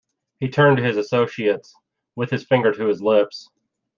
He turned to his associates with his finger to his lips.